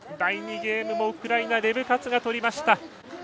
ゲームもウクライナレブ・カツがとりました。